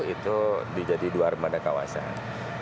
itu dijadi dua armada kawasan